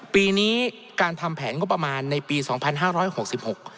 ปีนี้การทำแผนงบประมาณในปีสองพันห้าร้อยหกสิบหก